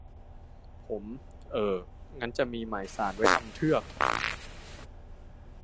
ผม : เอ่อ งั้นจะมีหมายศาลไว้ทำเทือก